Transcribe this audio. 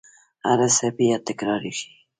هرڅه به بیا تکرارشي